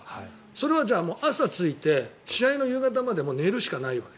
それは、朝着いて試合の夕方まで寝るしかないわけ。